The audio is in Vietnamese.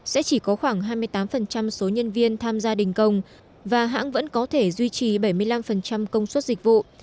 sẽ chỉ có khoảng hai mươi tám số nhân viên tham gia đình công và hãng vẫn có thể duy trì bảy mươi năm công suất dịch vụ